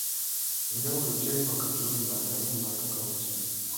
Njawulo ki eri wakati w'embaata n'embaatakabuzi?